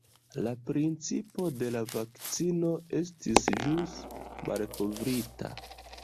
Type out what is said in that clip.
La principo de la vakcino estis ĵus malkovrita.